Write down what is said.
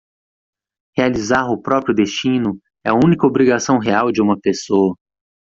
Realizar o próprio destino é a única obrigação real de uma pessoa.